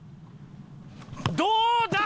どうだ！？